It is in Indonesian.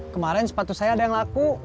kemarin sepatu saya ada yang laku